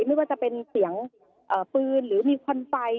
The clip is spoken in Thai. ไม่ว่าจะเป็นเสียงปืนหรือมีควันไฟ